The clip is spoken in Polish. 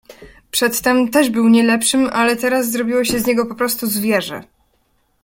"Przedtem też był nie lepszym, ale teraz zrobiło się z niego poprostu zwierzę."